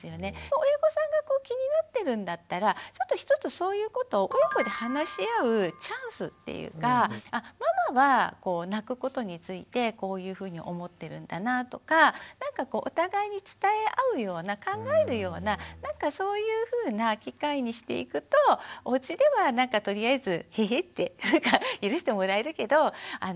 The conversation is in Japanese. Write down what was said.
親御さんが気になってるんだったらちょっとひとつそういうことを親子で話し合うチャンスっていうかママは泣くことについてこういうふうに思ってるんだなとかなんかこうお互いに伝え合うような考えるようななんかそういうふうな機会にしていくとおうちではとりあえずヘヘッて許してもらえるけど園ではちょっとお母さんああいうふうに言ってたからやめとこうかなとか